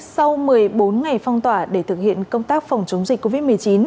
sau một mươi bốn ngày phong tỏa để thực hiện công tác phòng chống dịch covid một mươi chín